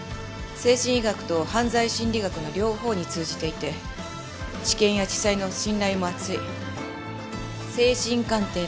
精神医学と犯罪心理学の両方に通じていて地検や地裁の信頼も厚い精神鑑定のエキスパートよ。